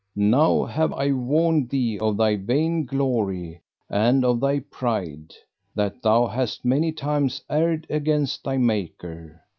Now have I warned thee of thy vain glory and of thy pride, that thou hast many times erred against thy Maker.